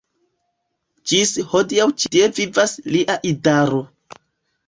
Ĝis hodiaŭ ĉi tie vivas lia idaro.